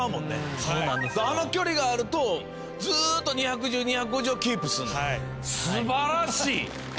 あの距離があるとずっと２１０２５０をキープするの？